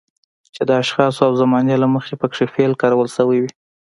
چې د اشخاصو او زمانې له مخې پکې فعل کارول شوی وي.